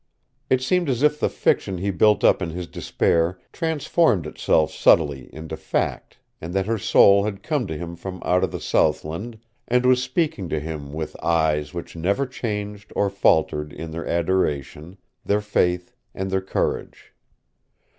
It seemed as if the fiction he built up in his despair transformed itself subtly into fact and that her soul had come to him from out of the southland and was speaking to him with eyes which never changed or faltered in their adoration, their faith and their courage.